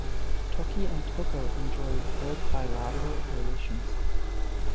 Turkey and Togo enjoy good bilateral relations.